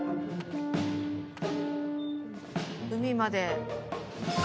海まで。